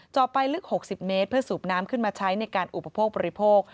ต่อไปลึก๖๐เมตรเพื่อสูบน้ำขึ้นมาใช้ในการอุปโภคบริโภค